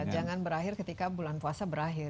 jangan berakhir ketika bulan puasa berakhir